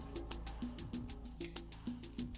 kenapa lu tak mau ngapain jepang